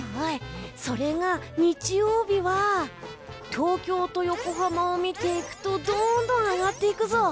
それが日曜日は東京と横浜を見ていくとどんどん上がっていくぞ。